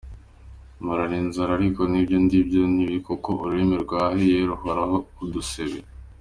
Mporana inzara ariko n’ibyo ndiye ntibindyohere kuko ururimi rwahiye, ruhoraho udusebe”.